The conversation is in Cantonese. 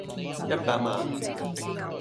一百萬